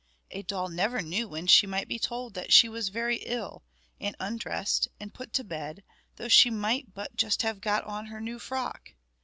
A doll never knew when she might be told that she was very ill, and undressed and put to bed, though she might but just have got on her new frock.